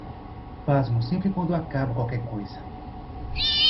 Pasmo sempre quando acabo qualquer coisa.